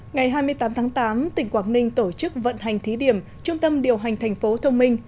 ngày hai mươi tám tháng tám tỉnh quảng ninh tổ chức vận hành thí điểm trung tâm điều hành thành phố thông minh